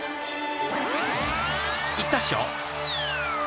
［いったっしょ？］